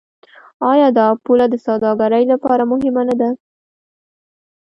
آیا دا پوله د سوداګرۍ لپاره مهمه نه ده؟